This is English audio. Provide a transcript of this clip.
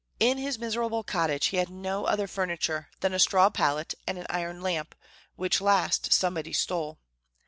In his miserable cottage he had no other furniture than a straw pallet and an iron lamp, which last somebody stole.